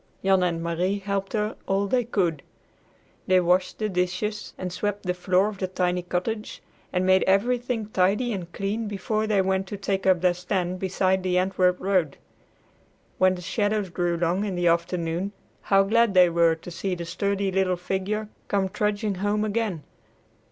Jan and Marie helped her all they could. They washed the dishes and swept the floor of the tiny cottage and made everything tidy and clean before they went to take up their stand beside the Antwerp road. When the shadows grew long in the afternoon, how glad they were to see the sturdy little figure come trudging home again!